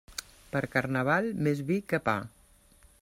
Per Carnaval, més vi que pa.